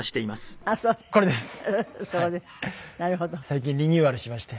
最近リニューアルしまして。